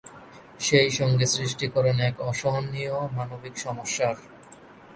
সেই সঙ্গে সৃষ্টি করেন এক অসহনীয় মানবিক সমস্যার।